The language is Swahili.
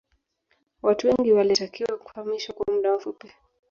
watu wengi walitakiwa kuhamishwa kwa muda mfupi